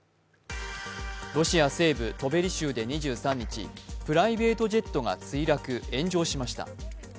ロシア西部・トベリ州で２３日、プライベートジェットが墜落、炎上しました。